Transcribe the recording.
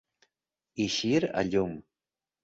Eixir a llum.